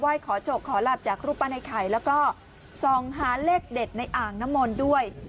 ขอโชคขอหลับจากรูปปั้นไอ้ไข่แล้วก็ส่องหาเลขเด็ดในอ่างน้ำมนต์ด้วย